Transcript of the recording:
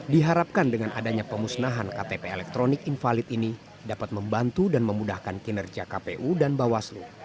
diharapkan dengan adanya pemusnahan ktp elektronik invalid ini dapat membantu dan memudahkan kinerja kpu dan bawaslu